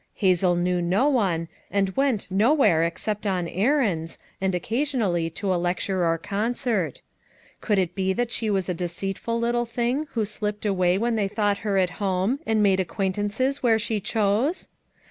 Hazel knew no one, and went no where except on errands, and occasionally to a lecture or concert Could it be that she was a deceitful little thing who slipped away when they thought her at home, and made acquaint 230 FOUR MOTHERS AT CHAUTAUQUA ances where she chose?